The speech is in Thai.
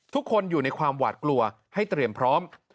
ทุกคนอยู่ในความหวาดกลัวให้เตรียมพร้อม